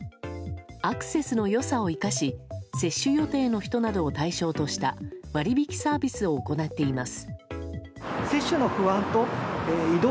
アクセスの良さを生かし接種予定の人などを対象とした割引サービスを行っています。